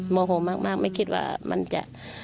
โมโหมากไม่คิดว่ามันจะ